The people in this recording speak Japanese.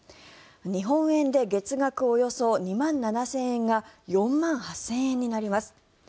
日本円で月額およそ２万７０００円が４万８０００円になります。